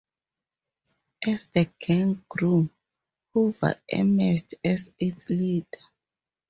As the gang grew, Hoover emerged as its leader.